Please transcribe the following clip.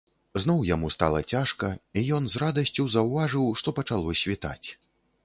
Зноў яму стала цяжка, і ён з радасцю заўважыў, што пачало світаць.